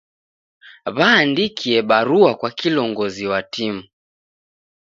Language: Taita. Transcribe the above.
W'aandikie barua kwa kilongozi wa timu.